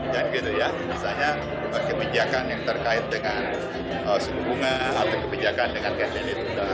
dan gitu ya misalnya kebijakan yang terkait dengan sungguh bunga atau kebijakan dengan gantian itu